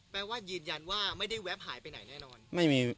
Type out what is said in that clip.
ว่ายืนยันว่าไม่ได้แวบหายไปไหนแน่นอน